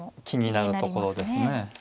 気になるところですね。